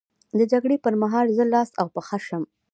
د جګړې پر مهال زه لاس او پښه شم.